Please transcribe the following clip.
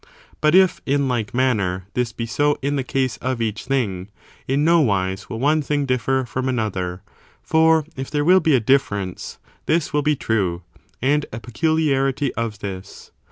But if, in like manner, this be so in the case of each thing, in no wise will one thing differ from another ; for if there will be a difference, this will be true, and a peculiarity of this.